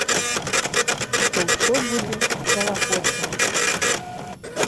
Што ўсё будзе залагоджана.